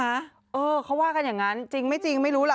เออเขาว่ากันอย่างนั้นจริงไม่จริงไม่รู้ล่ะ